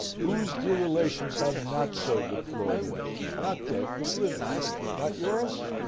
Whose dear relations have not so deplored him, not dead, but living? Not yours?